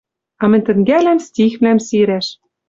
А мӹнь тӹнгӓлӓм стихвлӓм сирӓш —